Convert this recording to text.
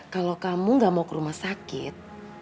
kalau kamu gak mau ke rumah sakit